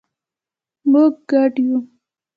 مونږ ګډ یو